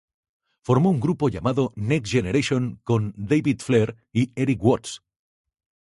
Formó un grupo llamado Next Generation con David Flair y Erik Watts.